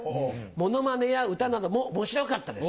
モノマネや歌などもおもしろかったです」。